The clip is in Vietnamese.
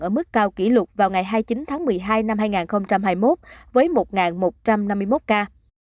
ở mức cao kỷ lục vào ngày hai mươi chín tháng một mươi hai năm hai nghìn hai mươi một với một một trăm năm mươi một ca